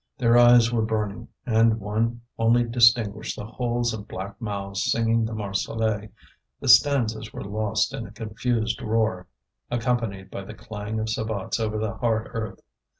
Their eyes were burning, and one only distinguished the holes of black mouths singing the Marseillaise; the stanzas were lost in a confused roar, accompanied by the clang of sabots over the hard earth.